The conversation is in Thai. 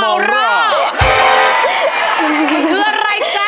ของอื่นนั้นขึ้นราคา